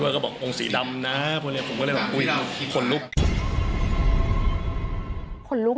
ผมก็เลยบอกอุ้ยขนลุก